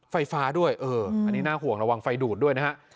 ไฟฟ้าด้วยเอออันนี้น่าห่วงระวังไฟดูดด้วยนะฮะ